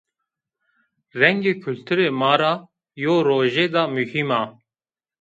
Rengê kulturê ma ra yew rojêda muhîm a